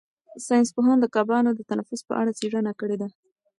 ساینس پوهانو د کبانو د تنفس په اړه څېړنه کړې ده.